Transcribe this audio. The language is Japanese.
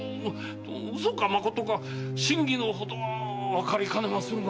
嘘か真か真偽のほどはわかりかねまするが。